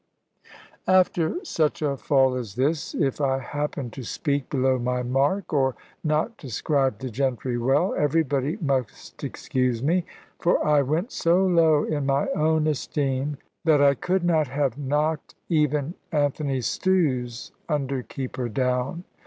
After such a fall as this, if I happened to speak below my mark, or not describe the gentry well, everybody must excuse me: for I went so low in my own esteem, that I could not have knocked even Anthony Stew's under keeper down!